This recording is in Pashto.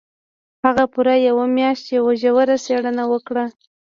هغه پوره يوه مياشت يوه ژوره څېړنه وکړه.